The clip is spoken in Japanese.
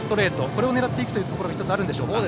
これを狙っていくというのも１つ、あるんでしょうか。